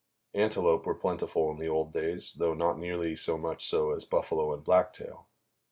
Antelope were plentiful in the old days, though not nearly so much so as buffalo and blacktail.